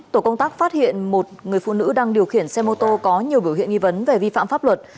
tổ công tác phát hiện một người phụ nữ đang điều khiển xe mô tô có nhiều biểu hiện nghi vấn về vi phạm pháp luật